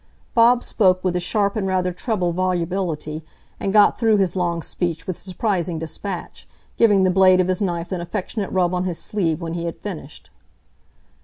Bob spoke with a sharp and rather treble volubility, and got through his long speech with surprising despatch, giving the blade of his knife an affectionate rub on his sleeve when he had finished.